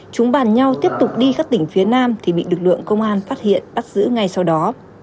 chúng bàn nhau tiếp tục đi các tỉnh phía nam thì bị lực lượng công an phát hiện bắt giữ ngay sau đó